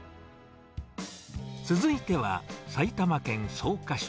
続いては、埼玉県草加市。